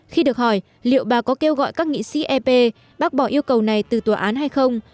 khi được hỏi liệu bà có kêu gọi các nghị sĩ ep bác bỏ yêu cầu này từ tòa án hay không